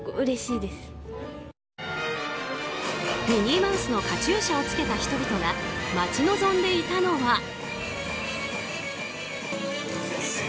ミニーマウスのカチューシャを着けた人々が待ち望んでいたのは。